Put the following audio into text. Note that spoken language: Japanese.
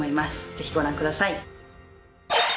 ぜひご覧ください。